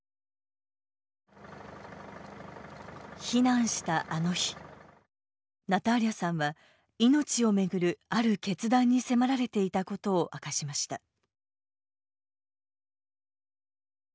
避難したあの日ナターリャさんは命を巡るある決断に迫られていたことを明かしました。